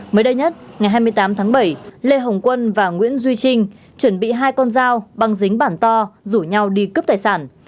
mới đây nhất ngày hai mươi tám tháng bảy lê hồng quân và nguyễn duy trinh chuẩn bị hai con dao băng dính bản to rủ nhau đi cướp tài sản